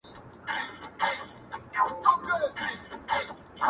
شاوخوا پر حجره یې لکه مار وګرځېدمه؛